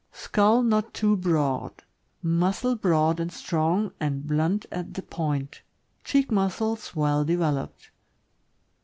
Skull not too broad. Muzzle broad and strong, and blunt at the point. Cheek muscles well developed.